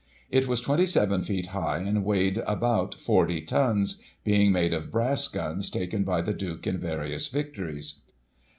It was 27 feet high, and weighed about 40 tons, being made of brass guns taken by the Duke in various victories.